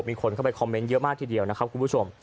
มีคนเข้าไปคอมเมนต์เยอะมากทีเดียวนะครับคุณผู้ชม